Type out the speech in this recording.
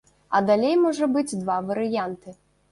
А далей можа быць два варыянты.